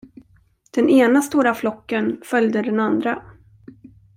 Den ena stora flocken följde den andra.